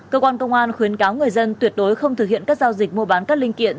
cơ quan công an khuyến cáo người dân tuyệt đối không thực hiện các giao dịch mua bán các linh kiện